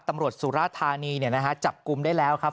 ตำรวจสุราธารณีเนี่ยนะฮะจับกลุ้มได้แล้วครับ